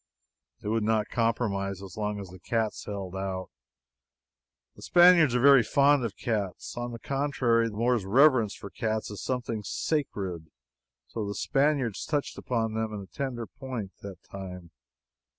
They would not compromise as long as the cats held out. Spaniards are very fond of cats. On the contrary, the Moors reverence cats as something sacred. So the Spaniards touched them on a tender point that time.